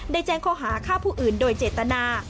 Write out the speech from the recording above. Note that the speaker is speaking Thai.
ได้แจงโคหาค่าผู้อื่นโดยเจตนา